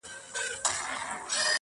نوو زلمو ته انا ښکاري